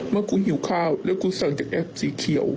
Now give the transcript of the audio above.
ว่ากูหิวข้าวแล้วกูสั่งจากแอปสีเขียว